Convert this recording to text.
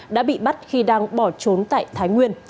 đã bị bắt khi đang bỏ trốn tại thái nguyên